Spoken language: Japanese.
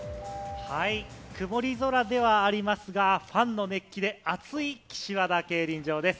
曇り空ではありますが、ファンの熱気でアツい、岸和田競輪場です。